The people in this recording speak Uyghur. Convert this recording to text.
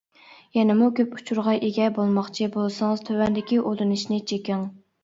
يەنىمۇ كۆپ ئۇچۇرغا ئىگە بولماقچى بولسىڭىز تۆۋەندىكى ئۇلىنىشنى چېكىڭ.